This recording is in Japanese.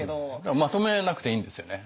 まとめなくていいんですよね。